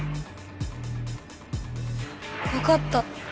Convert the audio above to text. わかった。